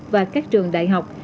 và các trường đại học